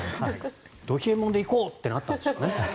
ど冷えもんで行こう！ってなったんでしょうね。